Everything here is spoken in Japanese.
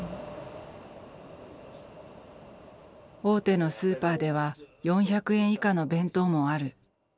大手のスーパーでは４００円以下の弁当もある。